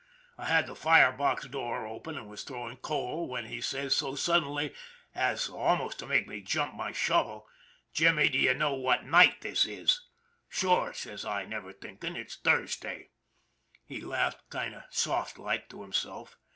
I had the fire box door open and was throwing coal when he says so sud den as almost to make me drop my shovel :"' Jimmy, do you know what night this is ?' GUARDIAN OF THE DEVIL'S SLIDE 179 "* Sure/ says I, never thinking, ' it's Thursday/ " He laughed kind of softlike to himself.